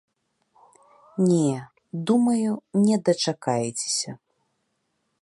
Не, думаю, не дачакаецеся.